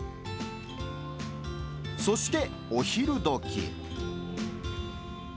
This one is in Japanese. そしてお昼どき。